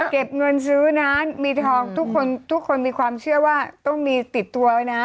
มีเงินซื้อนะมีทองทุกคนมีความเชื่อว่าต้องมีติดตัวนะ